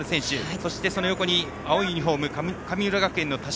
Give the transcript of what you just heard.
そして、その横に青いユニフォーム神村学園の田島。